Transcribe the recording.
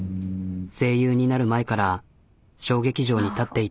声優になる前から小劇場に立っていた彼女。